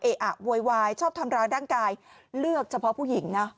อะโวยวายชอบทำร้ายร่างกายเลือกเฉพาะผู้หญิงนะ